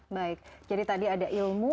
baik jadi tadi ada ilmu